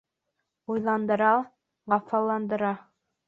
Уйландыра, хафаландыра.